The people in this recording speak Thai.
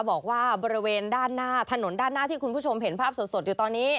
บอกว่าบริเวณด้านหน้าถนนด้านหน้าที่คุณผู้ชมเห็นภาพสดอยู่ตอนนี้